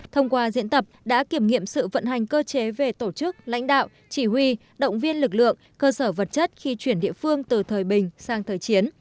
thông qua diễn tập đã kiểm nghiệm sự vận hành cơ chế về tổ chức lãnh đạo chỉ huy động viên lực lượng cơ sở vật chất khi chuyển địa phương từ thời bình sang thời chiến